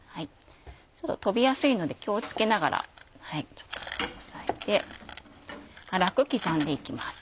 ちょっと飛びやすいので気を付けながらちょっと押さえて粗く刻んで行きます。